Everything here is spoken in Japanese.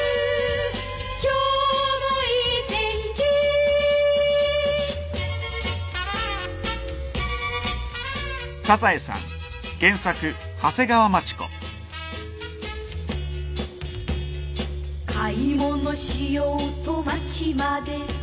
「今日もいい天気」「買い物しようと街まで」